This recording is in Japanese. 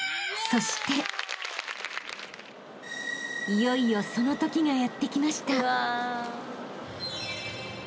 ［いよいよそのときがやって来ました］